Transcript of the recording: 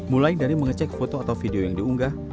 mulai dari mengecek foto atau video yang diunggah